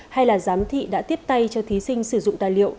hay là giám thị đã tiếp tay cho thí sinh sử dụng tài liệu